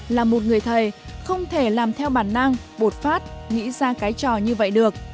là một người thầy không thể làm theo bản năng bột phát nghĩ ra cái trò như vậy được